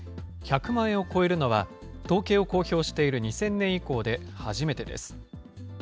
１００万円を超えるのは、統計を公表している２０００年以降で初めてです。